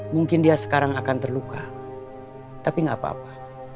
mungkin dia sekarang akan terluka tapi gak apa apa